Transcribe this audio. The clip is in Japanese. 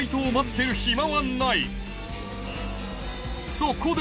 そこで！